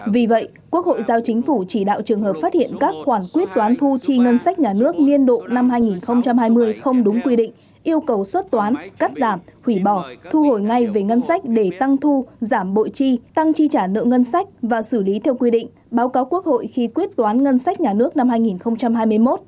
vì vậy quốc hội giao chính phủ chỉ đạo trường hợp phát hiện các khoản quyết toán thu chi ngân sách nhà nước niên độ năm hai nghìn hai mươi không đúng quy định yêu cầu xuất toán cắt giảm hủy bỏ thu hồi ngay về ngân sách để tăng thu giảm bội chi tăng chi trả nợ ngân sách và xử lý theo quy định báo cáo quốc hội khi quyết toán ngân sách nhà nước năm hai nghìn hai mươi một